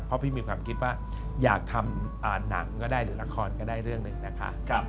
เพราะพี่มีความคิดว่าอยากทำหนังก็ได้หรือละครก็ได้เรื่องหนึ่งนะคะ